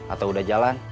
atau udah jalan